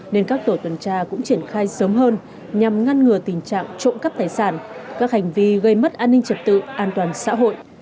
nên các tổ tuần tra cũng triển khai sớm hơn nhằm ngăn ngừa tình trạng trộm cắp tài sản các hành vi gây mất an ninh trật tự an toàn xã hội